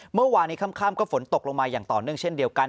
เมื่อวานในค่ำก็ฝนตกลงมาอย่างต่อเนื่องเช่นเดียวกัน